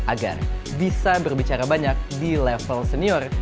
agar bisa berbicara banyak di level senior